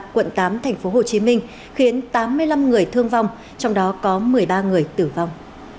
quận tám tp hcm khiến tám mươi năm người thương vong trong đó có một mươi ba người tử vong